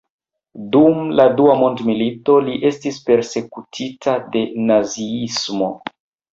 Dum la Dua Mondmilito, li estis persekutita de Naziismo.